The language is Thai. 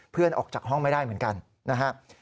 ออกจากห้องไม่ได้เหมือนกันนะครับ